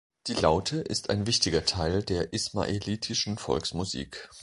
Die Laute ist ein wichtiger Teil der ismaelitischen Volksmusik.